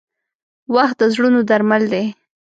• وخت د زړونو درمل دی.